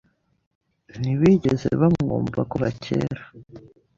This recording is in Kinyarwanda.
Ntibigeze bamwumva kuva kera.